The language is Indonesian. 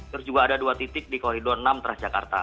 terus juga ada dua titik di koridor enam transjakarta